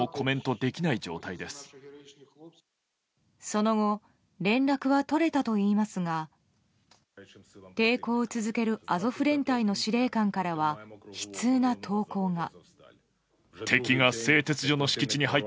その後連絡はとれたといいますが抵抗を続けるアゾフ連隊の司令官からは悲痛な投稿が。